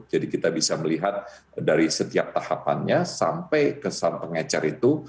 jadi kita bisa melihat dari setiap tahapannya sampai kesan pengecar itu